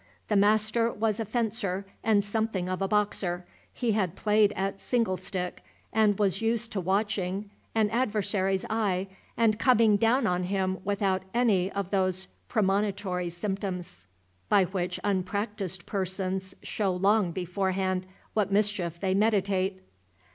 The master was a fencer, and something of a boxer; he had played at singlestick, and was used to watching an adversary's eye and coming down on him without any of those premonitory symptoms by which unpractised persons show long beforehand what mischief they meditate.